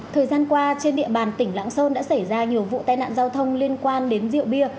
thời gian qua trên địa bàn tỉnh lạng sơn đã xảy ra nhiều vụ tai nạn giao thông liên quan đến rượu bia